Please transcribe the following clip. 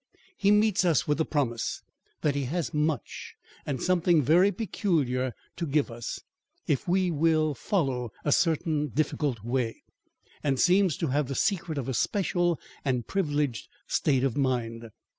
He meets us with the promise that he has much, and something very peculiar, to give us, if we will follow a certain difficult way, and seems to have the secret of a special and privileged state of mind.